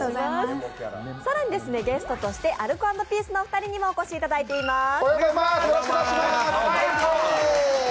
更にゲストとしてアルコ＆ピースのお二人にもお越しいただいています。